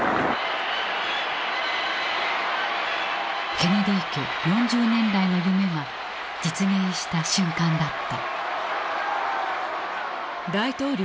ケネディ家４０年来の夢が実現した瞬間だった。